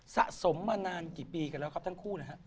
สะสมมานานกี่ปีกันแล้วครับทั้งคู่นะฮะ